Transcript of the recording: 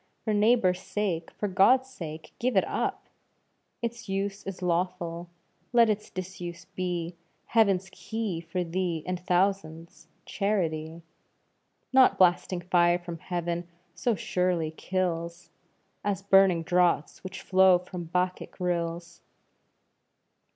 For neighbour's sake, for God's sake, give it up! Its use is lawful, let its disuse be Heaven's key for thee and thousands Charity. Not blasting fire from heaven so surely kills, As burning draughts which flow from Bacchic rills.